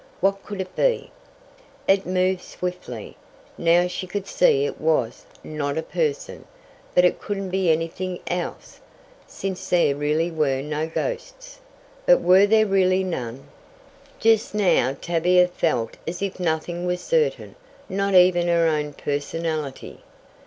What could it be? It moved swiftly now she could see it was not a person! But it couldn't be anything else, since there really were no ghosts. But were there really none? Just now Tavia felt as if nothing was certain, not even her own personality.